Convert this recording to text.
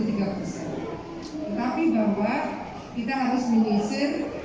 tetapi bahwa kita harus menyisir